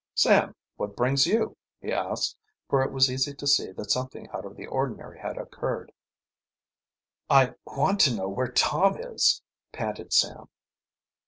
"Sam, what brings you?" he asked, for it was easy to see that something out of the ordinary had occurred. "I want to know where Tom is," panted Sam.